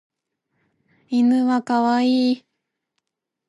犬はかわいい